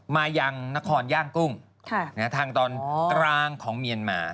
มายังนครย่างกุ้งทางตอนกลางของเมียนมา